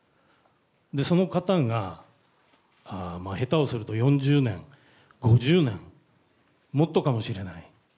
その方が、下手をすると４０年、５０年、もっとかもしれない。